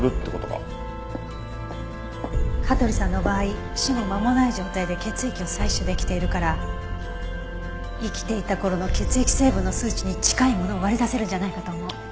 香取さんの場合死後間もない状態で血液を採取できているから生きていた頃の血液成分の数値に近いものを割り出せるんじゃないかと思う。